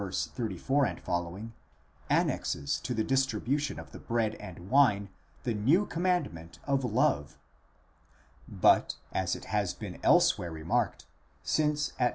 34f, annexes to the distribution of the bread and wine the new commandment of love. But, as it has been elsewhere remarked,' since at v.